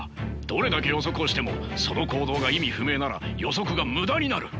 どれだけ予測をしてもその行動が意味不明なら予測が無駄になる。